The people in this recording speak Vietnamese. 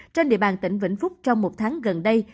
trên địa bàn tỉnh vĩnh phúc trong một tháng gần đây